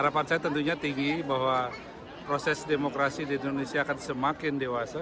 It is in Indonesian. harapan saya tentunya tinggi bahwa proses demokrasi di indonesia akan semakin dewasa